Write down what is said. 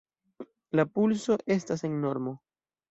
La pulso estas en normo.